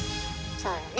そうよね。